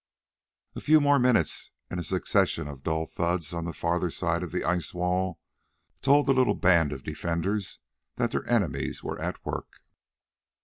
A few more minutes and a succession of dull thuds on the further side of the ice wall told the little band of defenders that their enemies were at work.